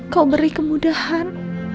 kau beri kemudahan